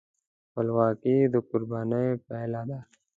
خپلواکي د قربانۍ پایله ده.